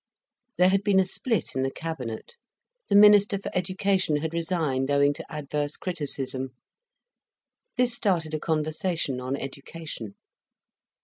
There had been a split in the Cabinet; the minister for Education had resigned owing to adverse criticism. This started a conversation on education.